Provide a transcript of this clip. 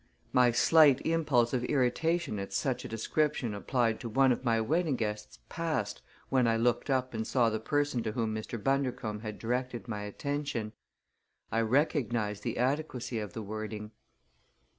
My slight impulse of irritation at such a description applied to one of my wedding guests passed when I looked up and saw the person to whom Mr. Bundercombe had directed my attention. I recognized the adequacy of the wording."